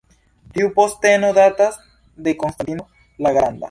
Tiu posteno datas de Konstantino la Granda.